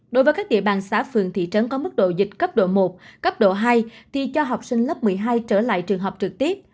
đối với các địa bàn xã phường thị trấn có mức độ dịch cấp độ một cấp độ hai thì cho học sinh lớp một mươi hai trở lại trường học trực tiếp